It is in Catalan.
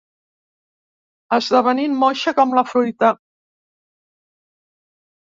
Esdevenint moixa com la fruita.